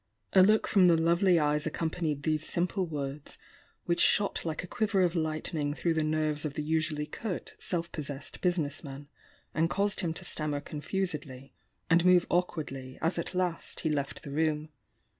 A look from the lovely eyes accompanied these simple words which shot like a quiver of lightning through the nerves of the usually curt, self possessed business man, and caused him to stammer confused ly and move awkwardly as at last he left the room.